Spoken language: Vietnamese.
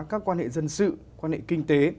các quan hệ dân sự quan hệ kinh tế